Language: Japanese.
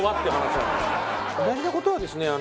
大事な事はですね